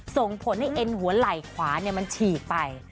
ส่งผลให้เอ็นหัวไหล่ขวามันฉีกไป